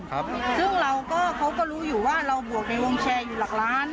ซึ่งเราก็เขาก็รู้อยู่ว่าเราบวกในวงแชร์อยู่หลักล้าน